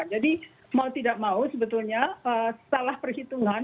jadi mau tidak mau sebetulnya salah perhitungan